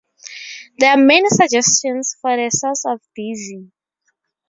There are many suggestions for the source of "dizi".